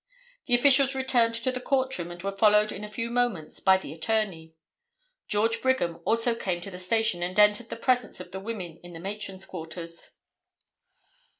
The officials returned to the court room and were followed in a few moments by the attorney. George Brigham also came to the station and entered the presence of the women in the matron's quarters.